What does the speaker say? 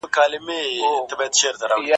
د ماشوم د خوب پر مهال چوپتيا وساتئ.